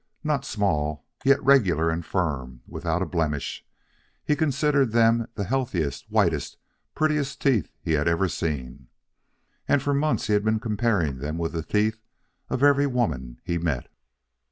Not small, yet regular and firm, without a blemish, he considered them the healthiest, whitest, prettiest teeth he had ever seen. And for months he had been comparing them with the teeth of every woman he met.